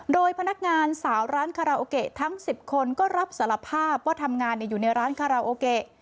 โดยพนักงานสาวร้านคาราโอเกะทั้ง๑๐คนก็รับสารภาพว่าทำงานอยู่ในร้านคาราโอเกะ